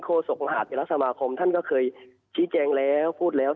ศกมหาเทราสมาคมท่านก็เคยชี้แจงแล้วพูดแล้ว